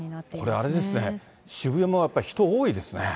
これ、あれですね、渋谷もやっぱり人多いですね。